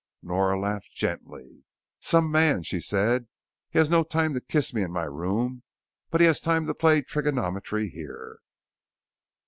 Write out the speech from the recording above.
Nora laughed gently. "Some man," she said. "Has no time to kiss me in my room, but has time to play trigonometry here."